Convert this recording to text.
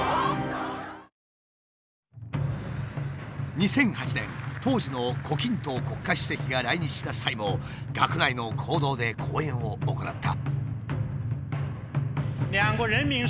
２００８年当時の胡錦涛国家主席が来日した際も学内の講堂で講演を行った。